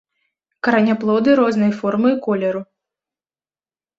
Караняплоды рознай формы і колеру.